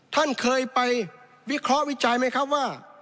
ท่านเคยไปวิเคราะห์วิจัยไหมครับว่า